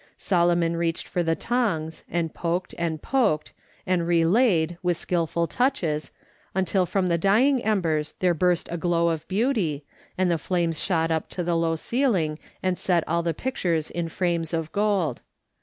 Solomon reached for the tongs, and poked, and poked, and relaid, with skilful touches, until from the dying embers there burst a glow of beauty, and the flames shot up to the low ceiling and set all the pictures in frames of gold.